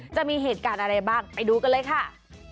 จะมีเหตุการณ์อะไรบ้างไปดูกันเลยค่ะ